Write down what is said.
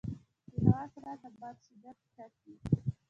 د هوا سرعت د باد شدت ټاکي.